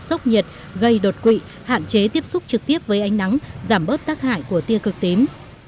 sốc nhiệt gây đột quỵ hạn chế tiếp xúc trực tiếp với ánh nắng giảm bớt tác hại của tia cực tím